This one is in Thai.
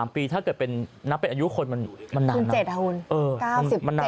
๑๓ปีเป็นอายุคนมันนานมาก